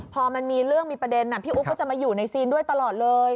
พอมันมีเรื่องมีประเด็นพี่อุ๊บก็จะมาอยู่ในซีนด้วยตลอดเลย